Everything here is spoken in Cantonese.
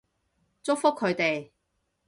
祝福佢哋